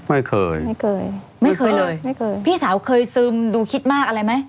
ไม่เคยไม่เคยไม่เคยไม่เคยเลยไม่เคยพี่สาวเคยซึมดูคิดมากอะไรไหม